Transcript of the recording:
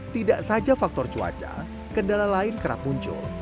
tidak saja faktor cuaca kendala lain kerap muncul